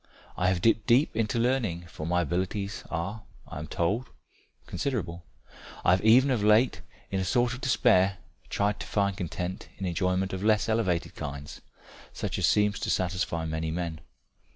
I have dipped deep into learning, for my abilities are, I am told, considerable; I have even of late in a sort of despair tried to find content in enjoyment of less elevated kinds, such as seems to satisfy many men.